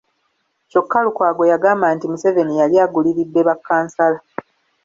Kyokka Lukwago yagamba nti Museveni yali aguliridde bakkansala .